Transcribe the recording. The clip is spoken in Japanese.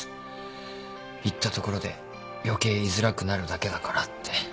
言ったところで余計いづらくなるだけだからって。